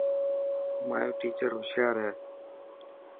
مايو ٽيچر هوشيار هي.